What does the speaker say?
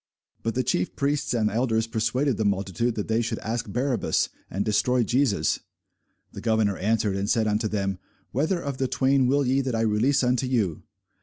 But the chief priests and elders persuaded the multitude that they should ask Barabbas, and destroy Jesus. The governor answered and said unto them, Whether of the twain will ye that I release unto you?